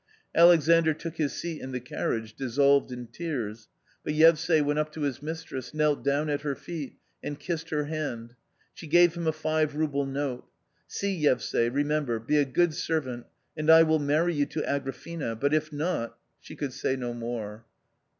Alexandr took his seat in the carriage dissolved in tears, but Yevsay went up to his mistress, knelt down at her feet and kissed her hand. She gave him a five rouble note. " See, Yevsay, remember, be a good servant and I will ^ marry you to Agrafena, but if not " She could say no more.